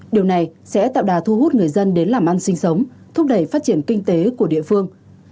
điều này sẽ tạo đà thu hút người dân đến làm ăn sinh sống thúc đẩy phát triển kinh tế của địa phương